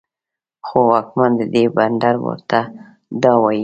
خو واکمن د دې بندر ورته دا وايي